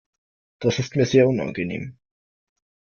Das ist mir sehr unangenehm.